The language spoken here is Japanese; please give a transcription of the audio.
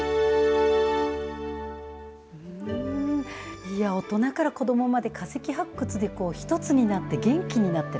いや、大人から子どもまで、化石発掘で一つになって、元気になってる。